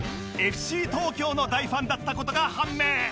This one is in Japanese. ＦＣ 東京の大ファンだった事が判明！